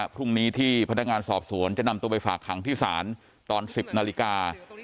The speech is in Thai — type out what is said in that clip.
พรุ่งนี้ที่พนักงานสอบสวนจะนำตัวไปฝากขังที่ศาลตอน๑๐นาฬิกา